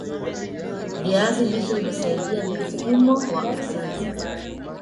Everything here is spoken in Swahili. viazi lishe husaidia mfumo wa uzazi